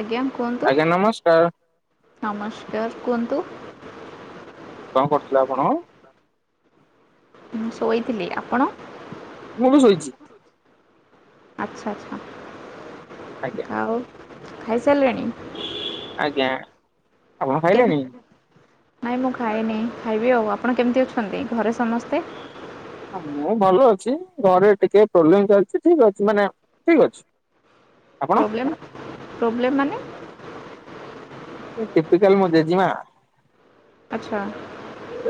ଆଜ୍ଞା କୁହନ୍ତୁ ଆଜ୍ଞା ନମସ୍କାର ନମସ୍କାର କୁହନ୍ତୁ। କଣ କରୁଥିଲେ ଆପଣ? ମୁଁ ଶୋଇଥିଲି। ଆପଣ? ମୁଁ ବି ଶୋଇଚି। ଆଚ୍ଛା ଆଚ୍ଛା। ଆଜ୍ଞା। ଆଉ ଖାଇସାରିଲେଣି। ଆଜ୍ଞା ଆପଣ କେମ୍ ଖାଇଲେଣିି? ନାଇଁ ମୁଁ ଖାଇନି ଖାଇବି ଆଉ। ଆପଣ କେମିତି ଅଛନ୍ତି ଘରେ ସମସ୍ତେ? ହଁ, ମୁଁ ଭଲ ଅଛି ଘରେ ଟିକେ ପ୍ରୋବ୍ଲେମ ଚାଲିଛି ଠିକ ଅଛି ମାନେ ଠିକ ଅଛି। ଆପଣ ପ୍ରୋବ୍ଲେମ ପ୍ରୋବ୍ଲେମ ମାନେ? ଏ ଟିପିକାଲ ମୋ ଜେଜିମା। ଆଚ୍ଛା।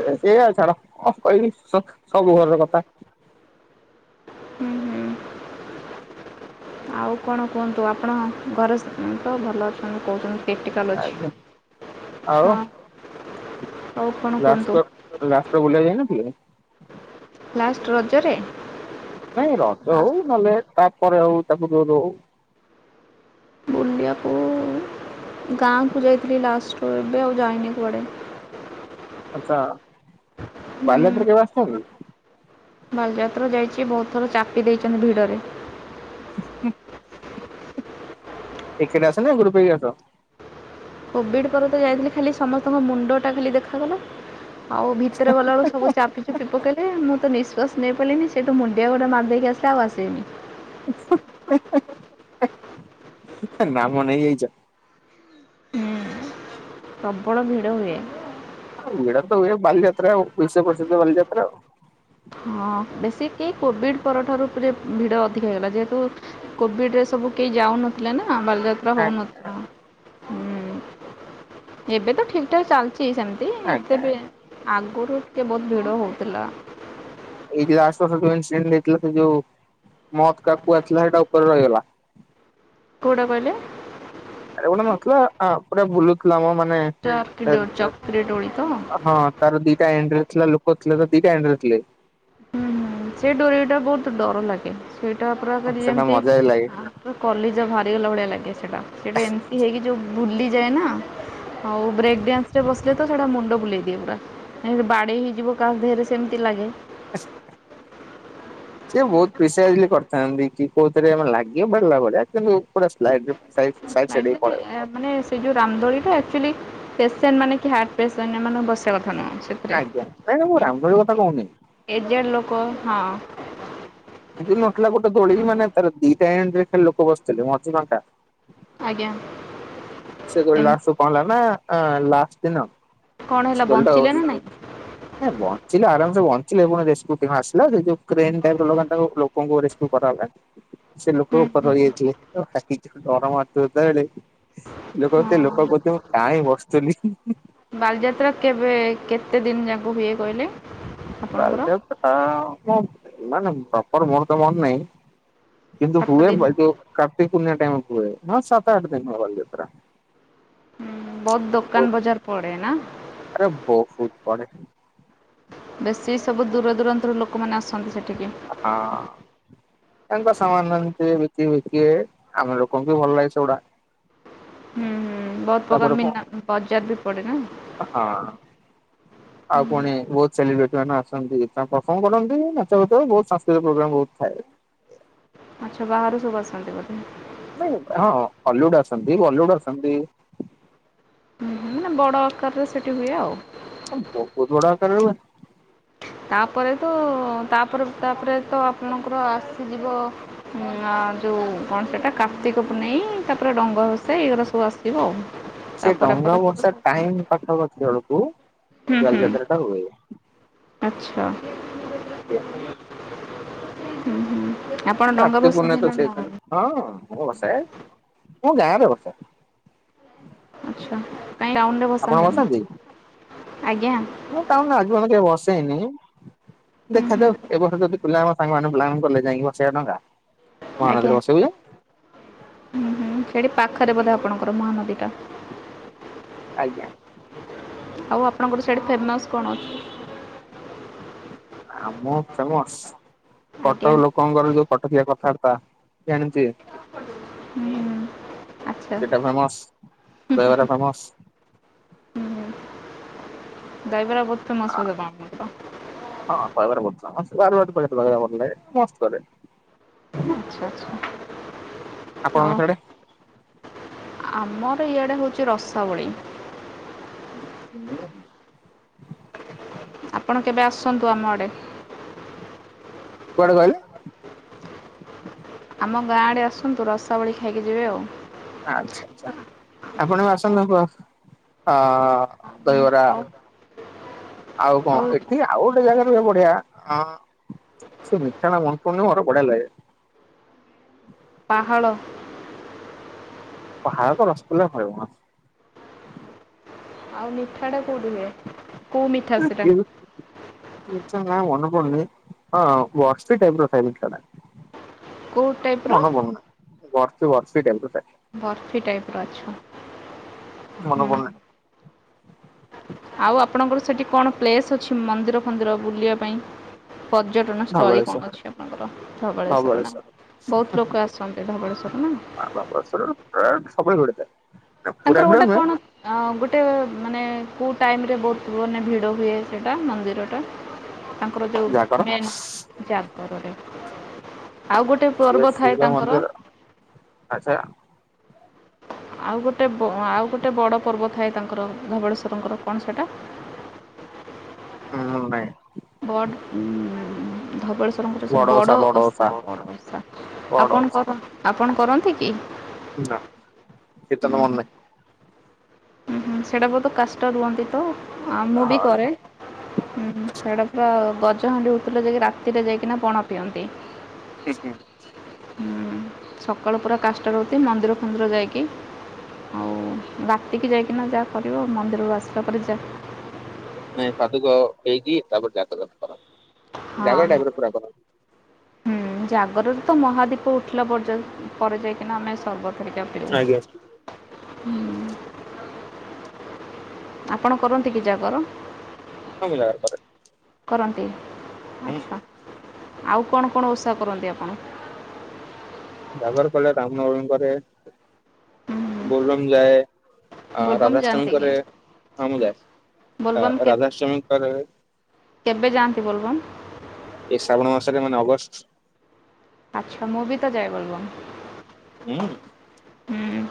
ଏ ସିଏ ଛାଡ କଣ କଇଵି ସ-ସବୁ ଘରର କଥା। ହୁଁ ହୁଁ [inaudible] ଆଉ କଣ କୁହନ୍ତୁ ଆପଣ ଘରେ ସ୍ ତ ଭଲ ଅଛନ୍ତି କହୁଛନ୍ତି। କ୍ରିଟିକାଲ ଅଛି। ଆଜ୍ଞା ଆଉ ଆଚ୍ଛା। ଆଉ କ'ଣ କୁହନ୍ତୁ ଲାଷ୍ଟ ତ ଲାଷ୍ଟ ତ ବୁଲିଆକୁ ଯାଇନଥିଲେ? ଲାଷ୍ଟ ରଜରେ? ନାଇଁ ରଜ ହଉ ନହେଲେ ତା ପରେ ହଉ ତା ପୂର୍ବରୁ ହଉ। ବୁଲିୟାକୁ ଗାଁକୁ ଯାଇଥିଲି ଲାଷ୍ଟର ଏବେ ଆଉ ଯାଇନି କୁଆଡ଼େ। ଆଚ୍ଛା, ହୁଁ ବାଲିଯାତ୍ରା କେବେ ଆସିଛନ୍ତି? ବାଲିଯାତ୍ରା ଯାଇଛି ବହୁତ ଥର ଚାପି ଦେଇଛନ୍ତି ଭିଡ଼ରେ। ଉ ହୁଁ। ଏକେଲା ଆସ ନା ଗ୍ରୁପ ହେଇକି ଆସ? କୋଭିଡ ପରେ ତ ଯାଇଥିଲି ଖାଲି ସମସ୍ତଙ୍କ ମୁଣ୍ଡ ଟା ଖାଲି ଦେଖାଗଲା। ଆଉ ଭିତରେ ଗଲାବେଳକୁ ସବୁ ଚାପି ଚିପି ପକେଇଲେ ମୁଁ ତ ନିଶ୍ୱାସ ନେଇ ପାଇଲିନି ସେଇଠୁ ମୁଣ୍ଡିଆ ଗୋଟା ମାରିଦେଇକି ଆସିଲି ଆଉ ଆସିବିନି। ଉଁ ହୁଁ ହେ ହେ ଏହେ ନାମ ନେଇଯାଇଚ? ପ୍ରବଳ ଭିଡ ହୁଏ। ଆଉ ଭିଡ଼ ତ ହୁଏ ବାଲିଯାତ୍ରା ଆଉ ବିଶ୍ୱ ପ୍ରସିଦ୍ଧ ବାଲଯାତ୍ରା ଆଉ। ହଁ ବେଶି କେଇ କୋଭିଡ ପରଠାରୁ ପ୍ରେ ଭିଡ ଅଧିକା ହେଇଗଲା। ଯେହେତୁ କୋଭିଡ ରେ ସବୁ କେହି ଯାଉନଥିଲେ ନା ବାଲିଯାତ୍ରା ଆଜ୍ଞା ହଉନଥିଲା। ଏବେ ତ ଠିକ ଠାକ ଚାଲଚି ସେମିତି ଏତେ ଆଜ୍ଞା ଵି ଆଗରୁ ଟିକେ ବହୁତ ଭିଡ଼ ହଉଥିଲା। ଏଇ ଯୋଉ ଲାଷ୍ଟ ବର୍ଷ ଯୋଉ ଇନସିଡେଣ୍ଟ ହେଇଥିଲା ସେ ଯୋଉ ମତ କା କୂଆ ଥିଲା ସେଇଟା ଉପରେ ରହିଗଲା। କୋଉଟା କହିଲେ? ଆରେ ଗୋଟେ ନଥିଲା ଆଁ ପୁରା ବୁଲୁଥିଲା ମ ମାନେ ଚାର୍ କିିଡୋ ଚକ୍ରି ଦୋଳି ତ? ହଁ ତାର ଦିଟା ଏଣ୍ଡ୍ରେ ଥିଲା ଲୋକଥିଲେ ତ ଦିଟା ଏଣ୍ଡ୍ରେ ଥିଲେ। ହୁଁ ହୁଁ ସେଇ ଡୋରି ଟା ବହୁତ ଡର ଲାଗେ ସେଇଟା ପୁରା ସେଟା ଯେମତି ମଜା ବି ଲାଗେ। ଆଁ କଲିଜା ବାହାରିଗଲା ଭଳିଆ ଲାଗେ ସେଇଟା ସେଇଟା ଏମିତି ହେଇକି ଯଉ ବୁଲିଯାଏ ନା। ଆଉ ବ୍ରେକ ଡ୍ୟାନ୍ସ ରେ ବସ ତ ସେଟା ମୁଣ୍ଡ ବୁଲେଇ ଦିଏ ପୁରା ବାଡେଇ ହେଇଯିବ କା ଦେହରେ ସେମିତି ଲାଗେ। ଆ [unintelligible] ହୁଁ [unintelligible] ସେ ବହୁତ ପ୍ରିସ କରିଥାନ୍ତି କି କୋଉଥିରେ ଆମେ ଲାଗିବ ବଢିଲା ଭଳିଆ କିନ୍ତୁ ପୁରା ସ୍ଲାଇଟି ସାଇ ସାଇଟି ସାଇଟି ସ୍ଲାଇଡରେ ପଳେଇବ। ଏ ମାନେ ସେ ଯଉ ରାମଦୋଳି ଟା ଆକ୍ଚୁଆଲି ପେସେଣ୍ଟ ମାନେ କି ହାର୍ଟ ପେସଣ୍ଟ ଏମାନେ ବସିବା କଥା ନୁହଁ। ସେଥିରେ। ଆଜ୍ଞା ନାଇଁ ନାଇ ମୁଁ ରାମଦୋଳିକଥା କହୁନିଁ। ଏଜେଡ଼ ଲୋକ ହଁ। ନଥିଲା ଗୋଟେ ଦୋଳି ମାନେ ତାର ଦିଟା ଏଣ୍ଡରେ ଖାଲି ଲୋକ ବସିଥିଲେ ମଝିଫାଙ୍କା। ଆଜ୍ଞା। ସେ ଦୋଳି ଏମତି ଲାଷ୍ଟକୁ କଣହେଲାନା ଲାଷ୍ଟ ଦିନ। କଣ ହେଲା ବଞ୍ଚିଲେ ନା ନାଇଁ। ହଁ ବଞ୍ଚିଲେ ଆରାମସେ ବଞ୍ଚିଲେ ପୁଣି ରେସ୍କ୍ୟୁ ଟିମ୍ ଆସିଲା ସେଇ ଯୋଉ କ୍ରେନ୍ ଟାଇପ୍ ର ଲୋକ ତା ଲୋକଙ୍କୁ ରେସ୍କ୍ୟୁ କରାଗଲା ସେ ହୁଁ ଲୋକ ଉପରେ ରଇଯାଇଥିଲେ ତ ଲଖିକି। ଡର ମାରୁୁଥିବା ଯେତେବଳେ ଲୋକ ହୁଁ ଲୋକ ହଁ। କହୁଥିବେ ମୁଁ କାଁଁଇ ବସୁଥିଲି। ବାଲିଯାତ୍ରା କେବେ କେତେ ଦିନ ଯାକ ହୁଏ କହିଲେ? ଆପଣଙ୍କର? ବାଲିଯାତ୍ରା ମାନେ ପ୍ରପର ମୋର ତ ମନ ନାହିଁ। କିନ୍ତୁ ସାତ ହୁଏ ଦିନ ବ ହୁଁ ଯୁ କାର୍ତ୍ତିକି ପୂର୍ଣିମା ଟାଇମ ହୁଏ। ହଁ ସାତ ଆଠ ଦିନ ହୁଏ ବାଲିଯାତ୍ରା। ହୁଁ ବହୁତ୍ ଦୋକାନ ବଜାର ପଡେ ନା? ଆରେ ବହୁତ ପଡେ ହଁ ବେଶୀ ସବୁ ଦୂର ଦୂରାନ୍ତରୁ ଲୋକମାନେ ଆସନ୍ତି ସେଠିକି। ହଁ। ତାଙ୍କ ସାମାନ ଏ ବିକିବେ ବିକିବେ ଆମ ଲୋକଙ୍କୁ ବି ଭଲ ଲାଗେ ସେଗୁଡା। ହୁଁ ହୁଁ ବହୁତ ତାପରେ ପ୍ରକାର କଣ ମିନା ବଜାର ବି ପଡେ ନା? ହଁ। ଆଉ ଫୁଣି ବହୁତ ସେଲିବ୍ରେଟି ମାନେଆସନ୍ତି ତାଙ୍କ ପରଫର୍ମ କରନ୍ତି ନାଚ ଗୀଚ ବହୁତ ସାଂସ୍କୃତିକ ପ୍ରୋଗ୍ରାମ ବହୁତ ଥାଏ। ଆଚ୍ଛା ବାହାରୁ ସବୁ ଆସନ୍ତି ବୋଧେ? ନାଇଁ ହଁ ଅଲିଉଡୁ ଆସନ୍ତି ବଲିଉଡୁ ଆସନ୍ତି। ହୁଁ ହୁଁ ମାନେ ବଡ଼ ଆକାରରେ ସେଠି ହୁଏ ଆଉ। ବହୁତ ବଡ଼ ଆକାରରେ ହୁଏ। ତାପରେ ତ ତାପରେ ତାପରେ ତ ଆପଣଙ୍କର ଆସିଯିବ। ଉଁ ଆ ଯୋଉ କଣ ସେଟା କାର୍ତ୍ତିକ ପୂର୍ଣ୍ଣେଇଁ ତାପରେ ଡଙ୍ଗ। ଭସା ଏଇଗୁଡା ସବୁ ଆସିବ ଆଉ। ସେ ତାପରେ ଡଙ୍ଗା ପରେ ସବୁ ଭସା ଟାଇମ ପାଖ ପାଖି ଅଳକୁ। ହୁଁ ହୁଁ ଆଚ୍ଛା। ଆଜ୍ଞା ହୁଁ ହୁଁ ଆପଣ ଡଙ୍ଗା କାର୍ତ୍ତିକ ପୂର୍ଣ୍ଣିମା ତ ବସାନ୍ତି ନା ନ୍? ସେଇଦିନ ହଁ ଭସାଏ ମୁଁ ଗାଁ ରେ ଭସାଏ। ଆଚ୍ଛା କାହିଁ ଟାଉନ ରେ ଆପଣ ଭସାନ୍ତିନି ବସାନ୍ତି ଆଜ୍ଞା। ମୁଁ ଟାଉନ ରେ ଆଜି ପର୍ଯ୍ୟନ୍ତ କେବେ ଭସେଇନି ହୁଁ ହୁଁ ଦେଖାଯାଉ ଏ ବର୍ଷ ଯଦି ପିଲା ଆମ ସାଙ୍ଗମାନେ ପ୍ଲାନ୍ କଲେ ଯାଇକି ଭସେଇବା ଡଙ୍ଗା। ମହାନଦୀରେ ଆଜ୍ଞା ବସେଇବୁ ଯେ ହୁଁ ହୁଁ ସେଠି ପାଖରେ ବଧେ ଆପଣଙ୍କର ମହାନଦୀ ଟା? ଆଜ୍ଞା। ଆଉ ଆପଣଙ୍କର ସେଠି ଫେମସ କଣ ଅଛି? ଆମ ଫେମସ କଟକ ଆଜ୍ଞା ଲୋକ କଁ କରୁ ଯୋଉ କଟକିଆ କଥାବାର୍ତ୍ତା ଜାଣିଥିବେ ହୁଁ, ହୁଁ। ଆଚ୍ଛା ସେଇଟା ଫେମସ ଦହିବରା ଫେମସ। ହୁଁ ଦହିବରା ବହୁତ ଫେମସ ବୋଧେ [inaudible] ହଁ ଦହିବରା ବହୁତ ଫେମସ ବାରବାଟୀ ପାଖରେ ଦହିବରା ଭଲ ଲାଗେ ମସ୍ତ କରେ। ଆଚ୍ଛା ଆଛା ହଉ। ଆପଣଙ୍କ ସିଆଡେ? ଆ- ଆମର ଇଆଡେ ହଉଛି ରସାବଳି। ତମର। ଆପଣ କେବେ ଆସନ୍ତୁ ଆମ ଆଡ଼େ। କୁଆଡେ କହିଲେ? ଆମ ଗାଁ ଆଡ଼େ ଆସନ୍ତୁ ରସାବଳି ଖାଇକି ଯିବେ ଆଉ। ଆଚ୍ଛା ଆଚ୍ଛା ଆପଣ ବି ଆସନ୍ତୁ କୋ ହଁ ଦହିବରା ଆଉ ଆଉ କଣ ଏଠି ଆଉ ଗୋଟେ ଜାଗାରେ ଭାଇ ବଢିଆ ହଁ। ସେ ମିଠାଣା ମନେ ପଡୁନି ମୋର ବଢିଆ ଲାଗେ। ପାହାଳ। ପାହାଳ ତ ରସଗୋଲା ଫଇମସ। ଆଉ ମିଠାଟା କୋଉଠି ହୁଏ କେଉଁ ମିଠା ସେଟା? କି ମିଠା ନାଁ ମନେ ପଡୁନି ହଁ ବରଫି ଟାଇପ ର ମିଠା ଟା। କୋଉ ଟାଇପ୍ ର? କଣ ବନନା [unintelligible] ବର୍ଫି ଟାଇପ ର ଆଛା ମନେ ହଁ। ପଡୁନି ଆଉ ଆପଣଙ୍କର ସେଠି କଣ ପ୍ଲେସ୍ ଅଛି ମନ୍ଦିର ଫନ୍ଦିର ବୁଲିବା ପାଇଁ? ପର୍ଯ୍ୟଟନ ସ୍ଥଳୀ ଧବଳେଶ୍ଵର କଣ ଅଛି ଆପଣଙ୍କ ଧବଳେଶ୍ୱର ନା [inaudible] ଧବଳେଶ୍ଵର ବହୁତ ଲୋକ ଆସନ୍ତି ଧବଳେଶ୍ୱର ନା। ଧବଳେଶ୍ୱର ପ୍ରାୟ ସବୁବେଳେ ଭିଡ଼ ଥାଏ। ପୁରା ତାଙ୍କର ଭିଡ ଗୋଟେ ନୁହେଁ କଣ? ଆଁ ଗୋଟେ ମାନେ କୋଉ ଟାଇମରେ ବହୁତ ମାନେ ଭିଡ଼ ହୁଏ ସେଇଟା ମନ୍ଦିରଟା? ତାଙ୍କର ଯୋଉ ଜାଗର ମେନ୍ ଜାଗରରେ ଆଉ ଗୋଟେ ଶିବ ପର୍ବ ଥାଏ ଶିବ ତାଙ୍କର। ମନ୍ଦିର ଆଚ୍ଛା। ଆଉ ଗୋଟେ ବ ଆଉ ଗୋଟେ ବଡ଼ ପର୍ବ ଥାଏ ତାଙ୍କର ଧବଳେଶ୍ଵରଙ୍କର। କଣ ସେଟା? ହୁଁ ନାଇଁ। ବଟ ଉଁ ଧବଳେଶ୍ ଆପଣଙ୍କ ର ସେ ବଡ ଓଷା ବଡ ବଡଓଷା ଓଷା ବଡଓଷା ବଡ ଆପଣ କର, ଆପଣ କରନ୍ତି କି? ନାଁ କୀର୍ତନ ତ ମନ ନାହିଁ। ସେଟା ବହୁତ କାଷ୍ଟା ରୁହନ୍ତି ତ ଆ, ମୁଁ ବି ହଁ କରେ। ହୁଁ, ହୁଁ ସେଇଟା ପୁରା ଗଜ ହାଣ୍ଡି ଉତୁରିଲେ ଯାଇକି ରାତିରେ ଯାଇକିନା ପଣା ପିଅନ୍ତି। ହୁଁ ହୁଁ। ସକାଳୁ ପୁରା କାଷ୍ଟ ରହୁଥି ମନ୍ଦିର ଫନ୍ଦିର ଯାଇକି ଆଉ ରାତିକି ଯାଇକିନା ଯାହା କରିବ ମନ୍ଦିରରୁ ଆସିବା ପରେ ଯା ନାଇଁ ପାଦୁକ ଦେଇକି ତାପରେ ଜାତ କତ କରନ୍ତି। ଜାଗର ହଁ, ଟାଇପ ର ପୁରା ହଁ। କରନ୍ତି। ହୁଁ ଜାଗରରେ ତ ମହାଦୀପ ଉଠିଲା ପର୍ଯ୍ୟ ପରେ ଯାଇକିନା ଆମେ ସର୍ବ ହେରିକା ପିଉ ଆଜ୍ଞା ହୁଁ। ଆପଣ କରନ୍ତି କି ଜାଗର? [unintelligible] କରନ୍ତି ହୁଁ। ଆଚ୍ଛା ଆଉ କଣ କଣ ଓଷା କରନ୍ତି ଆପଣ? ଜାଗର କଲେ ରାମନବମୀ କରେ ହୁଁ ହୁଁ ବୋଲବମ ଯାଏ। ଆ ବୋଲବମ୍ ଯାଆନ୍ତି କି ରାଧାଷ୍ଟମୀକରେ ହଁ ମୁଁ ଯାଏ ବୋଲବମ୍ ଆ କେ ରାଧାଷ୍ଟମୀ କରେ। କେବେ ଯାଆନ୍ତି ବୋଲବମ୍? ଏଇ ଶ୍ରାବଣ ମାସରେ ମାନେ ଅଗଷ୍ଟ। ଆଚ୍ଛା ମୁଁ ବିି ତ ଯାଏ ବୋଲବମ୍। ହୁଁ। ହୁଁ।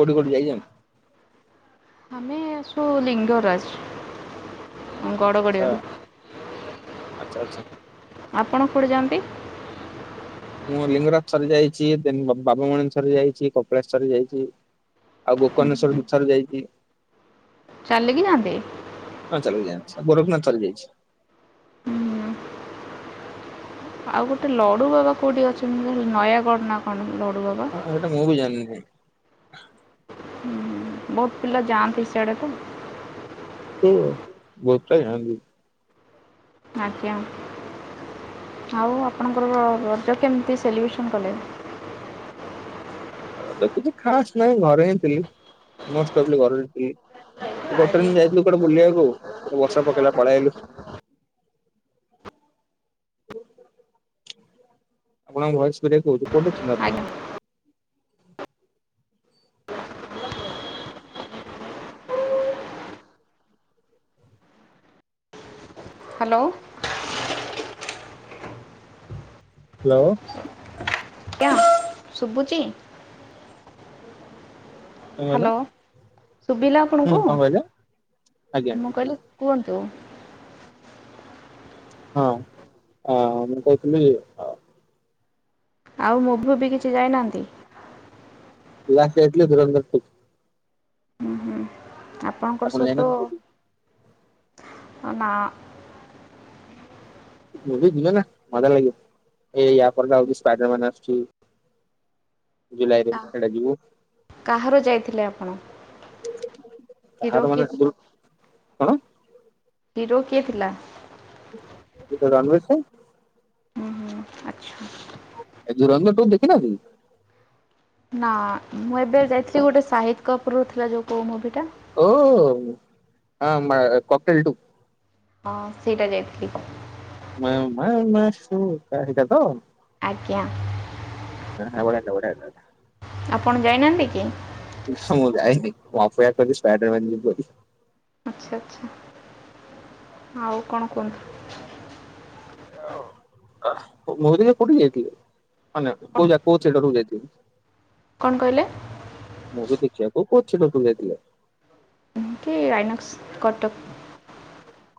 କଉଠି କୋଠି ଯାଇଛନ୍ତ? ଆମେ ଆସୁ ଲିଙ୍ଗରାଜ। ହ ଆଚ୍ଛା ଗଡ଼ଗଡ଼ିଆରୁ ଆଚ୍ଛା ଆଚ୍ଛା। ଆପଣ କୁଆଡେ ଯାଆନ୍ତି? ମୁଁ ଲିଙ୍ଗରାଜ ଥରେ ଯାଇଛି ଦେନ ବାବୁମଣେଶ୍ୱର ଥରେ ଯାଇଛି କପିଳାଶ ଯାଇଛି। ଆଉ ହୁଁ ଗୋକନେଶ୍ଵର ଦିଥର ଯାଇଛି। ଚାଲ କିି ନା ଏବେ ହଁ ଚାଲିକି ଯାନ୍ତି ଗୋରେଖନାଥ ଚାଲି ଯାଇଛି। ହୁଁ। ଆଉ ଗୋଟେ ଲଡ଼ୁ ବାବା କୋଉଁଠି ଅଛନ୍ତି ନୟାଗଡ଼ ନା କଣ ଲଡ଼ୁବାବା? ହଁ ହେଇଟା ମୁଁ ବି ଜାଣିିନି କାଇଁ। ହୁଁ ବହୁତ ପିଲା ଯାଆନ୍ତି ସିଆଡେ ତ। ଓ ବହୁତ ପିଲା ଯାଆନ୍ତି। ଆଜ୍ଞା ଆଉ ଆପଣଙ୍କର ରଜ କେମିତି ସେଲିବ୍ରେସନ୍ କଲେ? ରଜ କିଛି ଖାସ ନାହିଁ ଘରେ ହିଁ ଥିଲି ମୋଷ୍ଟ ଅଫ ଦି ଘରେ ହଁ ଥିଲି। ଗୋଟେ ଯାଇଥିଲୁ ଗୋଟେ ବୁଲିବାକୁ ବର୍ଷା ପକେଇଲା ପଳେଆଇଲୁ। ଆପଣଙ୍କ ଭଏସ ବ୍ରେକ୍ ହେଊଛି କୋଠି ଅଛନ୍ତି ଆପଣ? ଆଜ୍ଞା ହ୍ୟାଲୋ। ହ୍ୟାଲୋ। ଆଜ୍ଞା ଶୁଭୁଛି? କଣ କହିଲ ହ୍ୟାଲୋ ସୁବିଲା ଆପଣଙ୍କୁ ହୁଁ କଣ କହିଲେ ଆଜ୍ଞା ମୁଁ କହିଲି କୁହନ୍ତୁ? ହଁ ଆ ମୁଁ କହୁଥିଲି ଆଉ ମୁଭୀ ଫୁଭି କିଛି ଯାଇନାହାନ୍ତି? ଲାଷ୍ଟ ଯାଇଥିଲି ଧୂରନ୍ଦର ଟୁ। ଆପଣଙ୍କର ଆପଣ ସହିତ ଯାଇନାହାନ୍ତି ନା ମୁଁଭି ଯିବେ ନା ମଜା ଲାଗିବ ଏ ୟାପର୍ ଯ ହଉଛି ସ୍ପାଇଡର ମ୍ୟାାନ ଆସୁଛି। ଜୁଲାଇ ରେ ସେଇଟା ଯିବୁ କାହାର ଯାଇଥିଲେ ଆପଣ? ହିର ତାହାର କିଏ ମାନେ ଥିଲା? କଣ? ହିରୋ କିଏ ଥିଲା? ରନ୍ମ ସେ [unintelligible] ହୁଁ ହୁଁ ଆଛା। ଏ ଜୁରଙ୍ଗ ଟୁ ଦେଖିନ କି? ନା ମୁଁ ଏବେ ଯାଇଥିଲି ଗୋଟେ ସାହିଦ କପୁରରୁ ଥିଲା ଯୋଉ କୋଉ ମୁଭି ଟା? ଓ ଆମା କକେଲ ଟୁ ହଁ ସେଇଟା ଯାଇଥିଲି। ମା ମା ମସୁକା ଏଇଟା ତ? ଆଜ୍ଞା। ହଁ ବଢିଆ ହେଇ ଥିଲା ବଢିଆ ହେଇ ଥିଲା। ଆପଣ ଯାଇନାହାନ୍ତି କି? ନା ମୁଁ ଯାଇ ନି ମୁଁ ଅପେକ୍ଷା କରଛି ସ୍ପାଇଡର ମ୍ୟାନ ଯିବ ବୋଲି। ଆଚ୍ଛା ଆଚ୍ଛା ଆଉ କଣ କୁହନ୍ତୁ? ଏୟା ଆଉ ମୋରିଏ କୋଉଠି ଯାଇଥିଲେ ନା ନା କୋଉ ଯା କୋଉ ଥିଏଟର କୁ ଯାଇଥିଲେ? କଣ କହିଲେ? ମୁଭି ଦେଖିବାକୁ କୋଉ ଥିଏଟରକୁ ଯାଇଥିଲେ? କି ଆଇନାକ୍ସ କଟକ।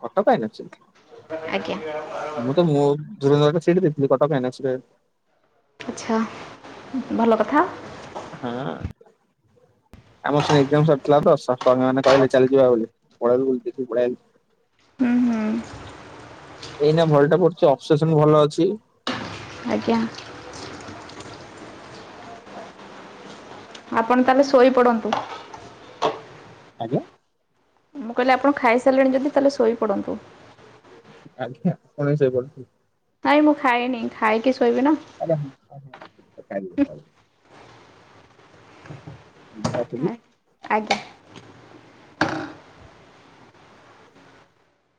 କଟକ ଆଇନକ୍ସ ଆଜ୍ଞା ମୁଁ ତ ମୁଁ ଧୂରନ୍ଦର ଟା ସେଇଠି ଦେଖିଥିଲି କଟ୍ଟକ ଆଈନାକ୍ସ ରେ। ଆଚ୍ଛା ଭଲ କଥା। ହଁ। ଆମର ସେ ଏଜାମ୍ ସରି ଥିଲା ତ ସାଙ୍ଗ ମାନ କହିଲେ ଚାଲ ଯିବା ବୋଲି ପଳେଇଲୁ ଦେଖି ପଳେଇ ଆଇଲୁ। ହୁଁ ହୁଁ। ଏଇନା ଭଲଟା ପଡୁଛି ଅପସେସନ ଭଲ ଅଛି। ଆଜ୍ଞା। ଆପଣ ତାହେଲେ ଶୋଇପଡ଼ନ୍ତୁ? ଆଜ୍ଞା। ମୁଁ କହିଲି ଆପଣ ଖାଇସାରିଲେଣି ଯଦି ତାହେଲେ ଶୋଇପଡ଼ନ୍ତୁ? ଆଜ୍ଞା ଆପଣ ବି ଶୋଇପଡ଼ନ୍ତୁ। ନାଇଁ ମୁଁ ଖାଏନି ଖାଇକି ଶୋଇବି ନା। ଆଜ୍ଞା ହୁଁ ଆଜ୍ଞା, କଥାଟିକ ହବ। ଚାଲିବ। ରଖୁଛି ଆ ଆଜ୍ଞା।